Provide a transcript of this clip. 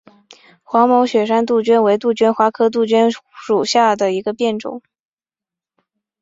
黄毛雪山杜鹃为杜鹃花科杜鹃属下的一个变种。